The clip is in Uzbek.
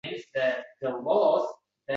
Musaffo havodan toʻyib-toʻyib nafas olardi.